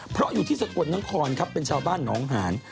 เพราะอยู่ที่สะกดน๊อคค่อนเป็นชาวบ้านน้องห่าน